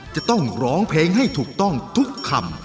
จะต้องร้องเพลงให้ถูกต้องทุกคำ